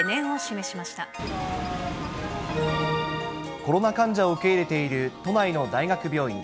コロナ患者を受け入れている都内の大学病院。